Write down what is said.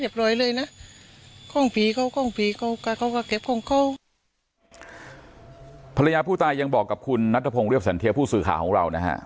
ภรรยาผู้ตายยังบอกกับคุณนัทพงศ์เรียบสันเทียผู้สื่อข่าวของเรานะฮะ